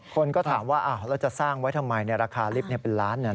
คนก็ถามว่าแล้วจะสร้างไว้ทำไมราคาลิฟต์เป็นล้าน